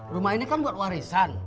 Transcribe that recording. rumah ini kan buat warisan